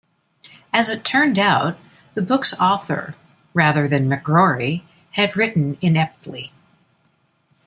As it turned out, the book's author, rather than McGrory, had written ineptly.